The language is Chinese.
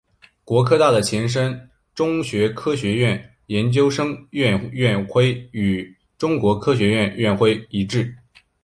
国科大的前身中国科学院研究生院院徽与中国科学院院徽一致。